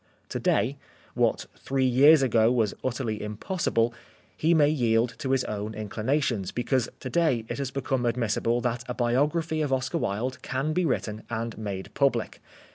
To day, what three years ago was utterly impossible, he may yield to his own inclinations, because to day it has become admissible that a biography of Oscar Wilde can be written and made public.